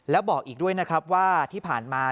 แล้วบอกอีกด้วยนะครับว่าที่ผ่านมา